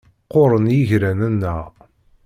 Qquren yigran-nneɣ.